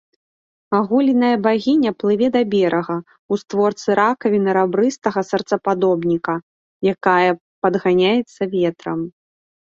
Аголеная багіня плыве да берага ў створцы ракавіны рабрыстага сэрцападобніка, якая падганяецца ветрам.